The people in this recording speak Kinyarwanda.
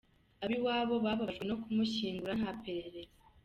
Ab’iwabo bababajwe no kumushyingura nta perereza.